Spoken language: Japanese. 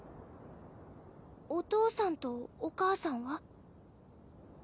お父さんとお母さんは？